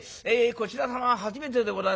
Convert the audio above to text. こちら様は初めてでございますね？